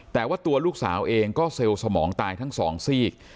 แต่ว่าตัวลูกสาวเองก็เซลล์สมองตายทั้งสองซีก